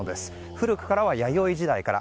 古いものは弥生時代から。